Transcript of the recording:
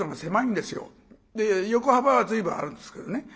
横幅は随分あるんですけどね。